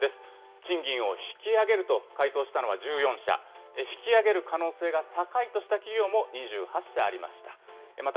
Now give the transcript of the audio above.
賃金を引き上げると回答したのは１４社、引き上げる可能性が高いとした企業も２８社ありました。